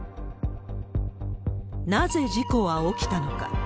なぜ事故は起きたのか。